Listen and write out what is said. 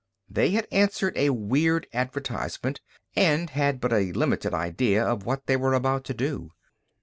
They had answered a weird advertisement, and had but a limited idea of what they were about to do.